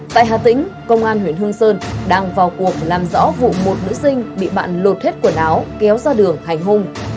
tại hà tĩnh công an huyện hương sơn đang vào cuộc làm rõ vụ một nữ sinh bị bạn lột hết quần áo kéo ra đường hành hung